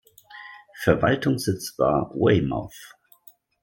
Verwaltungssitz war Weymouth.